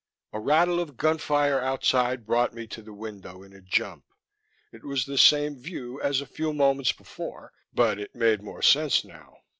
A rattle of gunfire outside brought me to the window in a jump. It was the same view as a few moments before, but it made more sense now.